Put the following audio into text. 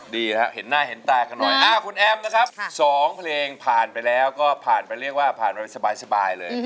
ดีนะครับเห็นหน้าเห็นตากันหน่อยคุณแอมนะครับ๒เพลงผ่านไปแล้วก็ผ่านไปเรียกว่าผ่านไปสบายเลย